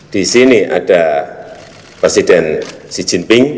disini ada presiden xi jinping